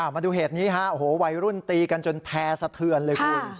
มาดูเหตุนี้ไวรุ่นตีกันจนแพ้สะเทือนเลยคุณ